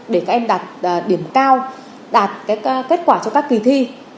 để các em đạt điểm cao đạt kết quả cho các kỳ thi